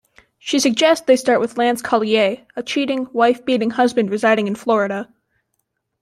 She suggests they start with Lance Collier, a cheating, wife-beating husband residing in Florida.